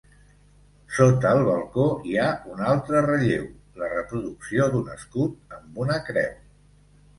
Sota el balcó hi ha un altre relleu, la reproducció d'un escut amb una creu.